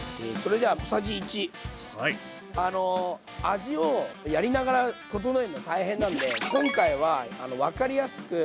味をやりながら調えるの大変なんで今回は分かりやすく。